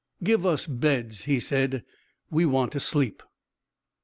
"Give us beds," he said; "we want to sleep."